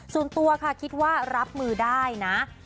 ส่วนตัวค่ะคิดว่ารับมือได้นะ